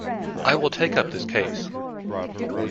I will take up this case.